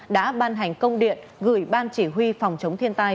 đã ban hành công điện gửi ban chỉ huy phòng chống thiên tai